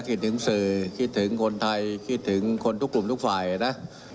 คิดถึงสื่อคิดถึงคนไทยคิดถึงคนทุกกลุ่มทุกฝ่ายนะ